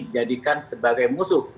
jadikan sebagai musuh